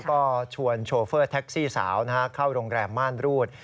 ก็ชวนโชเฟอร์แท็กซี่สาวเข้าโรงแรมม่านรูด